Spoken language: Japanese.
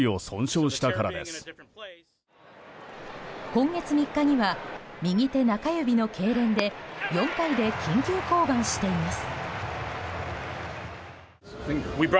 今月３日には右手中指のけいれんで４回で緊急降板しています。